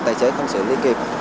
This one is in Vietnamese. tài chế không xử lý kịp